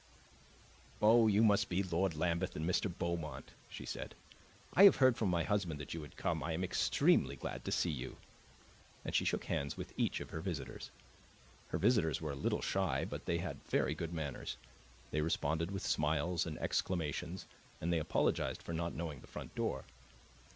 "Oh, you must be Lord Lambeth and Mr. Beaumont," she said. "I have heard from my husband that you would come. I am extremely glad to see you." And she shook hands with each of her visitors. Her visitors were a little shy, but they had very good manners; they responded with smiles and exclamations, and they apologized for not knowing the front door.